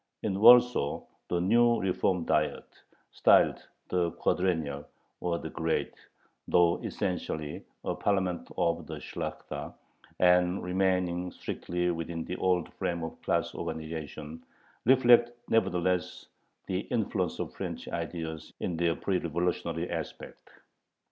In Warsaw the new reform Diet, styled the Quadrennial, or the Great, though essentially a parliament of the Shlakhta, and remaining strictly within the old frame of class organization, reflected nevertheless the influence of French ideas in their pre revolutionary aspect.